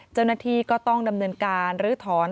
เจ้าหน้าที่ก็ต้องดำเนินการลื้อถอน